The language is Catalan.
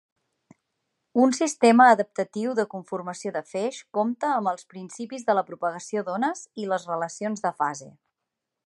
Un sistema adaptatiu de conformació de feix compta amb els principis de la propagació d'ones i les relacions de fase.